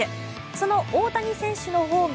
その大谷選手のホーム